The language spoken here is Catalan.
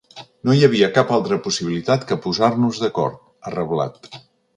No hi havia cap altra possibilitat que posar-nos d’acord, ha reblat.